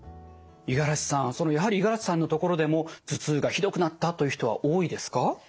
五十嵐さんやはり五十嵐さんのところでも頭痛がひどくなったという人は多いですか？